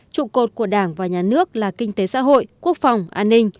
trụ cột của đảng và nhà nước là kinh tế xã hội quốc phòng an ninh